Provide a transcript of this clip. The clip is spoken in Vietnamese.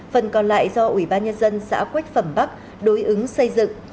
phần còn lại do ủy ban nhân dân xã quách phẩm bắc đối ứng xây dựng